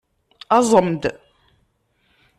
Aẓem-d!